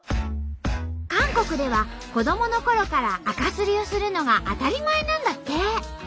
韓国では子どものころからあかすりをするのが当たり前なんだって。